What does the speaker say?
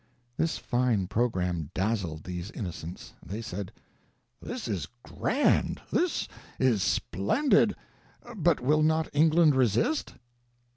This fine program dazzled these innocents. They said: "This is grand this is splendid; but will not England resist?"